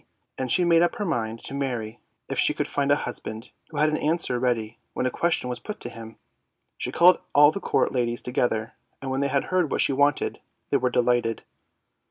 And she made up her mind to marry, if she could find a husband who had an answer ready when a question was put to him. She called all the court ladies together, and when they heard what she wanted, they were delighted.